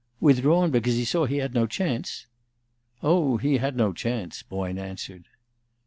"Withdrawn because he saw he had no chance?" "Oh, he had no chance," Boyne answered.